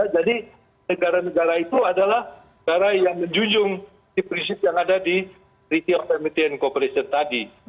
jadi negara negara itu adalah negara yang menjunjung prinsip yang ada di treaty of emmity and co operation tadi